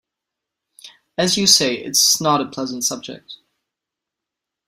As you say, it's not a pleasant subject.